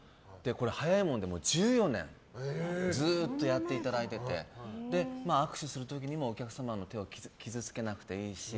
早いもんで１４年ずっとやっていただいてて握手する時にお客様の手を傷つけなくていいし。